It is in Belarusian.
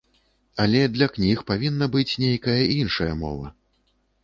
Але для кніг павінна быць нейкая іншая мова.